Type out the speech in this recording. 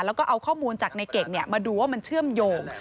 แล้วก็เอาข้อมูลจากในเก่งมาดูว่ามันเชื่อมโยง